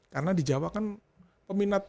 karena di jawa kan peminat